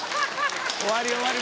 終わり終わり。